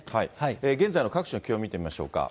現在の各地の気温を見てみましょうか。